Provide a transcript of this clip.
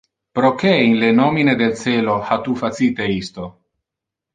Proque in le nomine del celo ha tu facite isto?